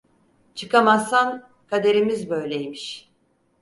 Çıkamazsan, kaderimiz böyleymiş!